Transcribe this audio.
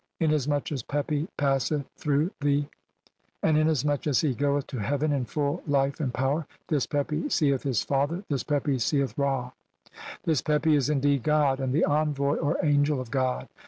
"Inasmuch as Pepi passeth through the .... and inas "much as he goeth to heaven in full life and power, "this Pepi seeth his father, this Pepi seeth Ra." "This Pepi is indeed god and the envoy (or angel) "of god.